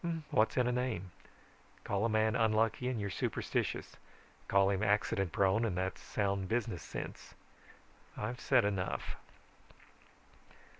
What's in a name? Call a man unlucky and you're superstitious. Call him accident prone and that's sound business sense. I've said enough.